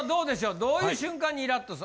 どういう瞬間にイラッ！とする？